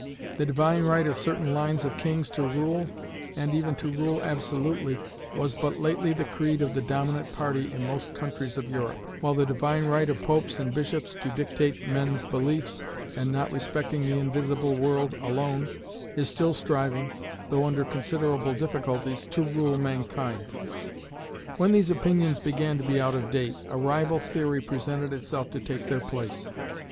The divine right of certain lines of kings to rule, and even to rule absolutely, was but lately the creed of the dominant party in most countries of Europe; while the divine right of popes and bishops to dictate men's beliefs (and not respecting the invisible world alone) is still striving, though under considerable difficulties, to rule mankind. When these opinions began to be out of date, a rival theory presented itself to take their place.